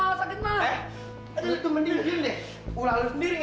pulang sendiri ngantuk sendiri